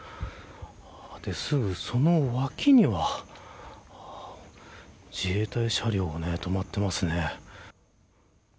すぐその脇には自衛隊車両が止まっています。